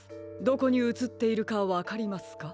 どこにうつっているかわかりますか？